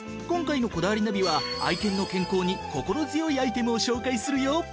今回の『こだわりナビ』は愛犬の健康に心強いアイテムを紹介するよ！